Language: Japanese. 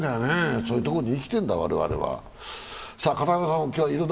そういうところに生きてるんだ、我々は。